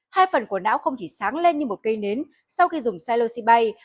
hai phần của não không chỉ sáng lên như một cây nến sau khi dùng psilocybe